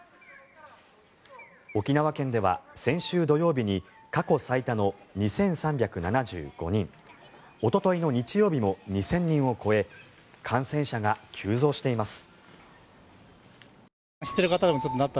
沖縄県では先週土曜日に過去最多の２３７５人おとといの日曜日も２０００人を超え感染者が急増しています。